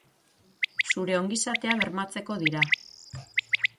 Zure ongizatea bermatzeko dira.